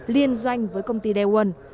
liên doanh với công ty daewon